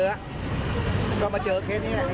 จริงมาเจอเทสนี้